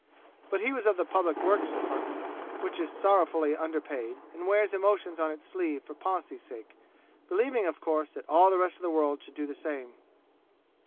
But he was of the Public Works Department, which is sorrowfully underpaid and wears emotions on its sleeve for policy's sake, believing of course that all the rest of the world should do the same.